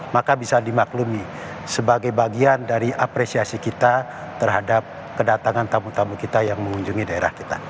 maka bisa dimaklumi sebagai bagian dari apresiasi kita terhadap kedatangan tamu tamu kita yang mengunjungi daerah kita